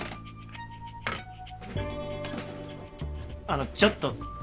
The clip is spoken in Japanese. あのちょっと。